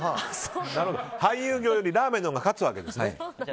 俳優業よりラーメンのほうが勝つわけですね。